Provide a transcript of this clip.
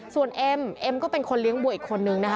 ส่วนเอ็มเอ็มก็เป็นคนเลี้ยงบัวอีกคนนึงนะคะ